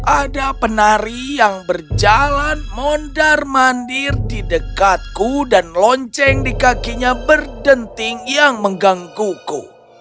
ada penari yang berjalan mondar mandir di dekatku dan lonceng di kakinya berdenting yang menggangguku